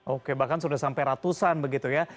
oke bahkan sudah sampai ratusan begitu ya